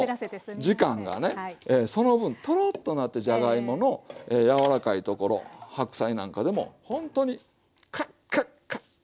時間がねその分トローッとなってじゃがいもの柔らかいところ白菜なんかでもほんとにカッカッカッて。